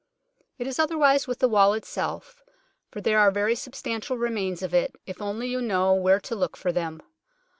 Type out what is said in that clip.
It is otherwise with the wall itself, for there are very substantial remains of it, if only you know where to look for them.